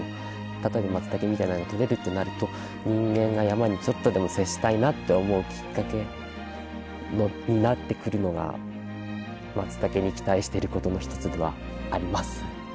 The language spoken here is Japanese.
例えばマツタケみたいなのが採れるってなると人間が山にちょっとでも接したいなって思うきっかけになってくるのがマツタケに期待してることの一つではあります。